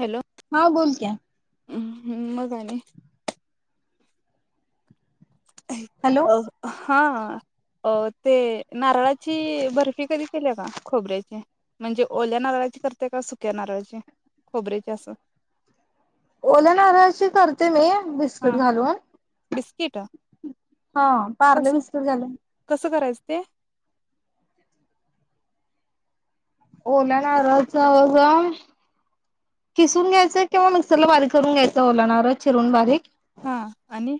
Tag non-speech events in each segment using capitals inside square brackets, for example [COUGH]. Hello हा बोल क्या हम हम्म मजाने हॅलो अ हा अ ते नारळाची बर्फी कधी केली का खोबऱ्याची म्हणजे ओल्या नारळाची करते का सुक्या नारळाचे खोबऱ्याचे असं ओल नऱ्याशी करते मी बिस्किट हा घालून बिस्किट हा पार्ले कसं बिस्किट घालून कसं करायचं ते ओलाणारच खिसून घ्यायचं किंवा मिक्सर ला बारीक करून घ्यायचं ओलाणार चिरून बारीक हा आणि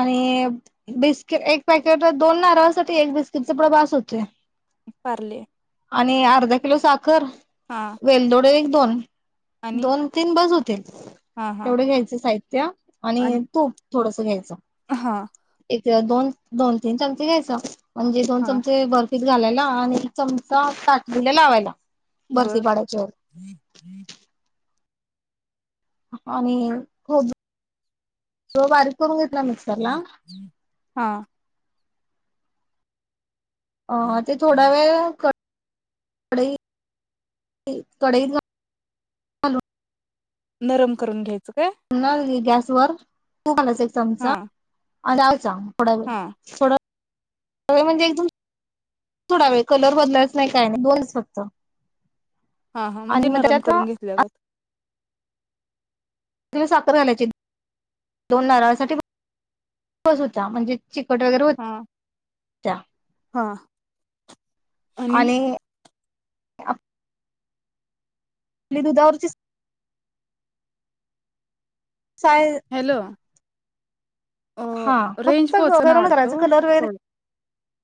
आणि बिस्किट एक पॅकेट दोन नारळासाठी एक बिस्किटचे प्रड भास होते पारले आणि अर्धा किलो साग कर वेलदोडे दोन आणि दोन तीन बाजू होते हा हा तेवढं घ्यायचं साहित्य आणि तूप थडं घ्यायं हा दोन दोन तीन चमचे घ्यायच म्हणजे दोन हा चमचे बर्फ घालायला आणि चमचा ताटलेला लावायला बर्फी बर पाडायच्यावर आणि ख बारीक करून घेत हा अ ते थोडा वेळ क कडे कडे नरम करून घ्यायचं काय गॅस वर तू खाला चमचा हा अ जाच पुडड हा सग म्हणजे एकदम सोडावे कलर बदलायच नाही काय नाही दोनच फक्त हा हा आणि म्हणजे मग नरम करून त्याच्यात घेतल्यागत त साखर घालायची दोन नाराळासाठी बस होता म्हणजे चिकट वगैरे होत. हा हा आणि [INAUDIBLE] ल द उ दवरचे साय हॅलो अ हा रेंज फक्त पोहोचना घरम वाटतं घरायचे ओ कलर वगरे थोडं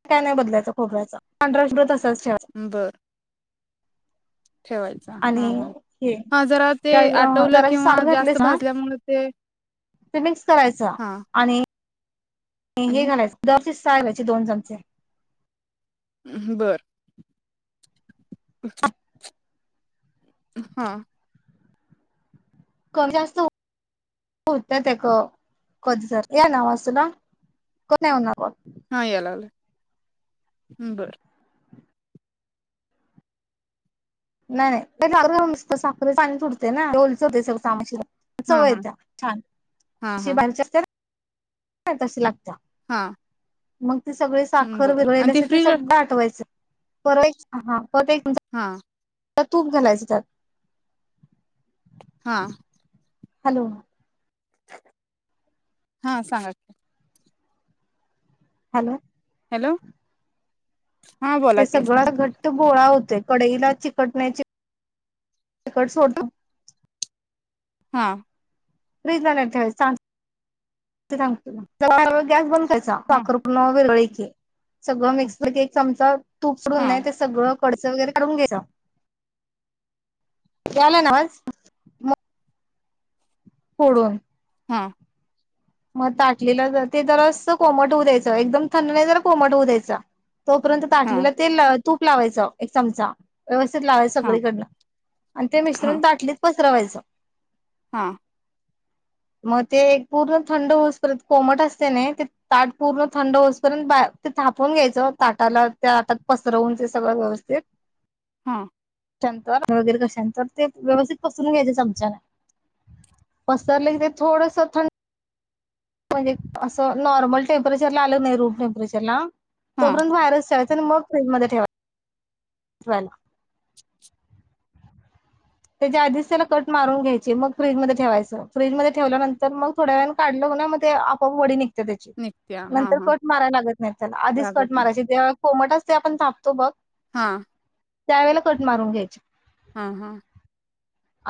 काय नाही बदलायचं खोबरायचं पभ्रत असायच. बरं. ठेवायच हा आणि हा हे हा जरा ते त्या आटवलं जराशी किंवा साखर जास्त घातलीस ना भाजल्यामुळे ते ते मिक्स करायचा हा. आणि हे आणि गायचं. चायलाचे दोन चमचे म् बर. ह. हा. कमी जास्त होत कधझर या नावा असतू ना कोण नाही होणार बघ. हा याय लागलं बरं. नाही नाही तेत साखर सुटते ना रोलच होते सगमाशीला हां चवय य हां त्या्या छान हां अशी हां बाची असते. का तस लागत. हा. मग ते सगळे साखर वििरल अस ते फ्रीज सगळं आठवायचं. बय हा. पत हां त्या तूप घालायचे त्याात हा. हॅलो. हा सांगा. हॅलो. हॅलो. हां बोला ते की सगळं घट गोळा होते कडईला चिकटण्याची चिकटोट हा. फिज ठेांग गॅस बंद. हां साखरप वरळी ते सगळं हां मिक्स एक चमचा तू पडून नाही हां ते सगळं पडस वगैरे काढून घ्यायचा त्याला ना आज म पडून हां मग ताटलेलं तर ते जरस कोमट होऊ द्यायचं एकदम थंड नाही जर कोमट होऊ द्यायच तोपर्यंत हां ताटलेला तेल तूप लावायचं एक चमचा व्यवस्थित लावाय हां सगळीकडनं आणि ते मिश्रण दाटलीच चसवायच हा मग ते एक पूर थंड होतपर्यंत कोमट असते ना ते ताट पूर्ण थंड होतपर्यंत ते थापून घ्यायचं ताटाला त्या आटात पसरवून ते सगळं व्यवस्थित हा वगैरे कशंतर ते व्यवस्थित पसरून घ्यायचे चमचा नाही पसरले की ते थोडस थं म्हणजे असं नॉर्मल टेम्परेचर ला आलं नाही रूम टेम्परेचरला तोपर्यंत व्हायरस मग फ्रीज मध्ये ठेवावायला [INAUDIBLE] त्याच्या आधीच त्याला कट मारून घ्यायची मग फ्रीजमध्ये ठेवायचं फ्रीजमध्येध्ये ठेवल्यानंतर मग थोड्या वेळने काढलं ना मग ते आपोप वडी निघ त्याची निघत्या हां नंतर हां कट मारायला लागत नाही त्याला आधीच कट लागत नाही मारायची ते्हा कोमटच ते आपण तापतो बघ हा त्यावेेळेला कट मारून घ्यायचे हा हा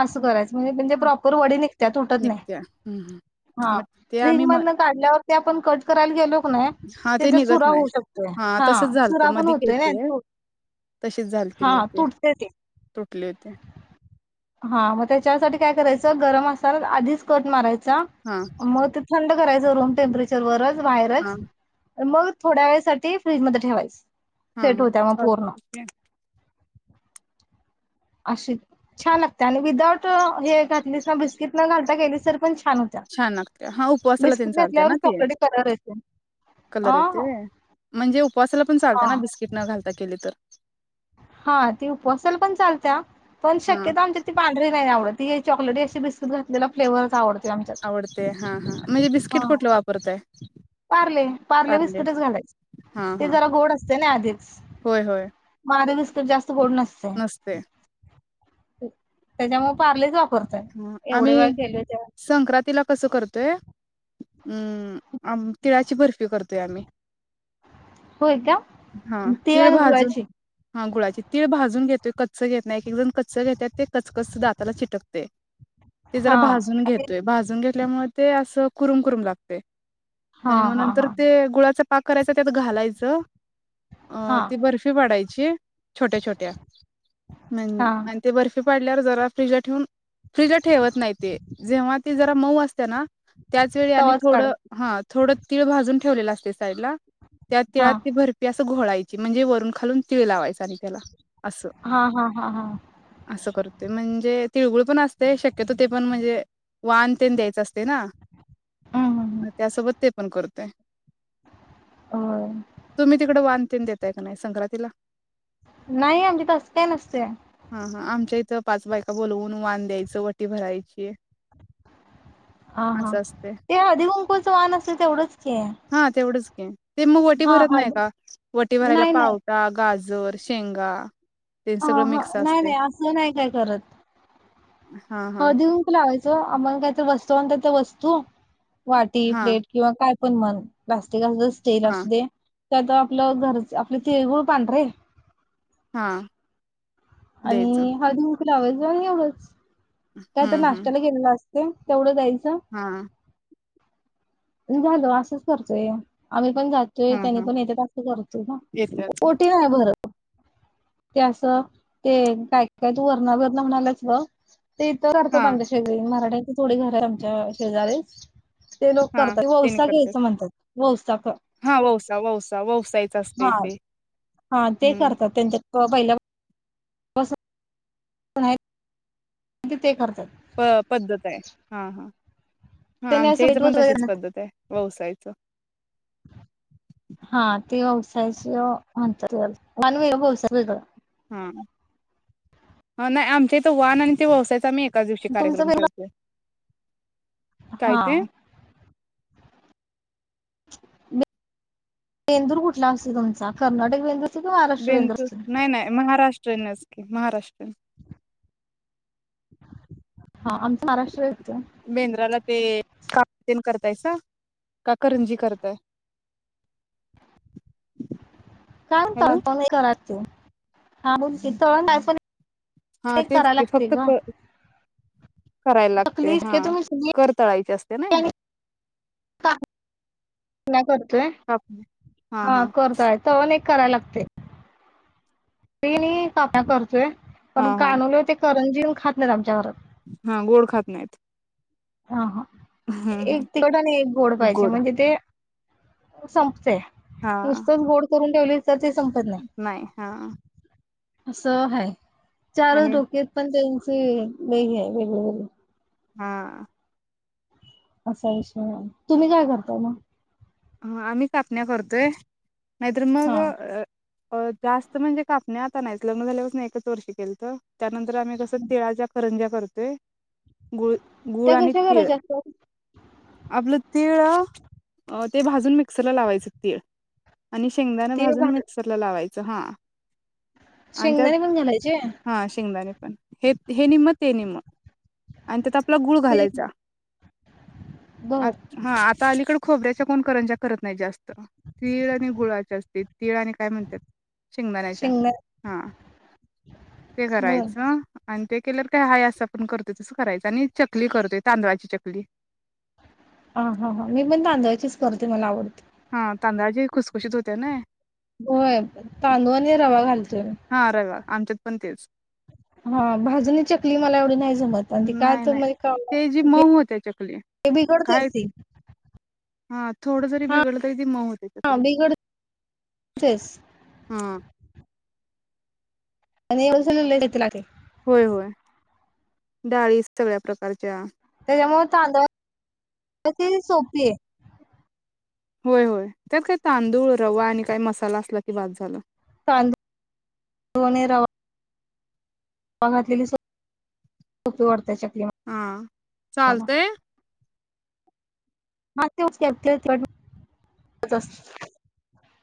असं करायचं म्हणजे म्हणजे प्रॉपर वडी निघत तुटत नाही निघत्या हम्म, हम्म. हा मग ते रिंग आम्ही म मध काढल्यावर ते आपण कराला गेलो की नाही हा ते त्याचा निघत चुरा नाही होऊ शकतोय हा तसच झालत चुरा पण मध होतोय ना केते तू तशीच झालती मग हा ते तुटते तुटले होते हा मग त्याच्यासाठी काय करायचं गरम असाल आधीच कट मारायच हां, म ते थंड कराचं रूमे्परेरच व्हायरस हां, मग थोड्या वेळेसाठी फ्रीजमध्येध्ये ठेवायस हा हा ब अशी छान लागते आणि विदाउट हे घातलीस ना बिस्किट न घालता गेलीसर छान लागते हा उपवासाला त चालते घातल्यावर ना ते चॉकलेटी कलर येते कलर अ येते म्हणजे उपसाला ण चालता हा ना बस्ककीट न घाता केली तर हा ती उपवासाल पण चालत्या, पण हां, शक्यतो आमच्या ती पांढरी नाही आवडत ती चॉकलेटी अशी बिस्कट घातलेला फ्लेवरच आवड आवडते हा हा म्हजे बिस्किट कुठलं वापरताय? पारले पारले पार्ले? बिस्कीटच घालायच, हां, ते हां. जरा गोड असते ना आधीच होय, होय. म खारी बिस्कीट जास् त गोड नसतय. नसते. हू त्याच्या म ह आम्ही ते संक्रातीला कसं करतोय. उम्म आम तिळाची बर्फी करतोय आम्ही होय का? हां, तिळ तीळ आणि भाजून गुळाची हा गुळाची तीळ भाजून घेतोय, कच्च घेत नाय, एक एक जण कच्च घेत्यात, ते कच कच दाताला चिट टकतय ते जरा हा. भाजून घेतोय, भाजून घेत पल्यामुळ ते असं करुम करूम लागतय. हा आणि म हा नंतर हा ते गुळाच पा करायच त्यात घालायचं. अ हा ती बर्फी बडाय छोट्या छोट्या मन हा. आणि ते बर्फी पाडल्या वर जरा फ्रिजला ठीऊन फ्रीजला ठेवत नाही ते जेव्हा ते ज त मऊ असत्या ना त्याच वेळी आणि तवाच थोड काढायचा हा थोड तिळ भाजून ठेवलेल असतय साईडला त्या तिळात हां. ती भरपी असं घोळाय ची म्हणजे वरून खालून तीळ लावायच आणि त्याला असं हां, हां, हां, हां. असं करतोय म्हणजे तिळगुळ पण असतंय शक त्य ते पण म्हणजे वान तेन द्यायच असतय ना, हं, हं, हं. अ त्यासोबत ते पण कर होय. तुम्ही तिकड वान तेन देताय काय नई संक्रातीला नाई आमची तस काय नसते. अह आमच्या इथं पाच बायक बोलवून वान द्यायचं, वटी भरायची. ह हा असं असतय. ते हधी कुंकूळचं वान असेल तेवढंच क आहे हा तेवढंच घ ते मग वटी भरत नाही हळदी का वटी भरायला नाही, पावता गाज जर शेंगा ते ह सगळं ह मिक्स नाही असतय नाही असं नाही काय करत हा हा हो देऊन त लावायचं आम्हाला काय तर बसत णत ते वस्तू वाटी हा प्लेट किंवा काय पण मन जात तेस स्टेल हा असू दे त्यात आपलं घरच आपलं तिळगुळ पांढरे हा आणि द्यायचं हजू तला आवज बण एवढंच काय तर हम्म हम्म नाश््याला गेलेलं असत तेवढं जायच हा झाल असंच करतोय आम्ही पण जातोय हा त्यांनी हा पण येते तं करतो का येत्यात ओठीी नाही बरं ते असं ते काय काय तू वरणागरला म्हणालाच ग ते इथं करतो हा पांच्या शेगरी मराठी थोडी घर आहे आमच्या शेजारी हा तेनी वसा करत्यात. घ्या म्हणतात वसा हा वौसा वौसा वौसायच असते ते ते हम्म करतात त्यांच्या पहिला ते खर्च प पद्धत आहे हा हा हा त्याने आमच्या असं इथं भेट पण वगैरे तशीच नसतं. पद्धत आहे व्यवसायाच व हा ह नाही आम तेथ वान आणि ते व्यवसायाचा मी एकाच दिवशी तुमचं कार्यक्रम वेगळं ठेवतो काय हा ते बेंदूर कुठला असत तुमचा कर्नाटक बेंदूर असतो की महाराष्ट्र बेंदूर बेंतू असतो नाही नाही महाराष्ट्र ट्रेन महाराष्ट्र [INAUDIBLE] हा आमच महाराष्ट्र य बेंद्राला ते का करताय का करंजी करताय कामत हॅलो प क त हा मुलगी तळण पण हा एक तेच करायला की लागते फक्त ग करायला लागते चकली हा शक्यतो मी सगळी कर तळायचे असते त्या ना ह नाही कर काप हा कोरतयत कराय लागते ते नाही आप्या करचोय पण हा हा कानवले होते करं जन खात नाहीत आमच्यावर हा गोड खात नाहीत हा हा हम्म हम्म एक तिकटाने एक गोड पाहियजे म्हणजे ते संपते हा नुसताच गोड करून ह तर ते संपत नाही असं आहेै ारल आणि धोक्यात पण ते ते नाही आहे ब हा असा विषय आहे तुम्ही काय करताय ना हा आम्ही कापण्या करतोय मद्रर्माग हा अ जास्त म्हणजे कापणे आता नाहीच लग्न झाल्यास नाही एकच वर्षी गलं तर त्यात नंतर आम्ही कसं तिळाच्या करंज्या करतोय गुळ गुळ त्या आणि कशा तीळ करायच्या असतात आपलं तीळ अ ते भाजून मिक्सरला लावायचें तीळ आणि शेंगदाणा भाजून मिक्सर लावायच ज हां शेंगदाारी पण घालायचे पन हे हे निम्म, ते निम्म आणि त्याचा आपला गुळ ते घालायचा. आ बर हा आता अलीकडे खोबरे च्या कोण करंज्या करत नाही जास् त, तीळ आणि गुळाचे असते तीळ आणि काय म्हणतात शेंगदाण्याच्या शेंगदा हा ते बर करायचं आणि ते केल्यावर काय हा असं आपण करतोय तसं करायचं आणि चकली करतोय तांदळाची चकली. आ हा हा हा मी पण तांदळाचीस सकरते मला आवडते. हा तांदळाजी खुसखुशीत होते ना. होय तांदूळ आणि रवा घालतोय. हा रवा आमच्यात पण तेच हा भाजणी चकली मला एवढी नाही जमत आणि ती काय नाही तर नाही म्हणजे का ते जी मऊ होते चकली हे काय बिघडतेच ती हा थोडं जरी हा बिघडलं तरी ती मऊ होते हा चकली. बिघडतेच हां. आणि एवढे सगळे लय येते. [UNINTELLIGIBLE] होय-होय डाळीस सगळ्या प्रकारच्या त्याच्यामुळे तांदळाची सोपी आहे. होय-होय त्यात काही तांदूळ रवा आणि काही मसाला असला की बस झाला. तांदूळ आणि रवा रवा घातलेली सोपी वाढते चक हा चालतय. हा तेच की घेतले. [INAUDIBLE]